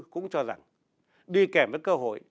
cũng cho rằng đi kèm với cơ hội